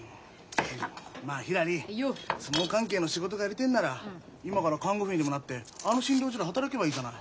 まあひらり相撲関係の仕事がやりてえんなら今から看護婦にでもなってあの診療所で働けばいいじゃない。